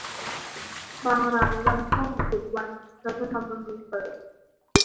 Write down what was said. บางร้านวันพ่อปิดแต่วันรัฐธรรมนูญเปิด